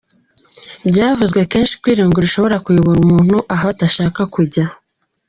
Byavuzwe kenshi ko irungu rishobora kuyobora umuntu aho adashaka no kujya.